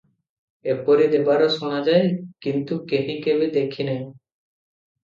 ଏପରି ଦେବାର ଶୁଣାଯାଏ, କିନ୍ତୁ କେହି କେବେ ଦେଖି ନାହିଁ ।